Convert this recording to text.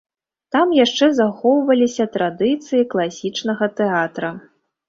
Там яшчэ захоўваліся традыцыі класічнага тэатра.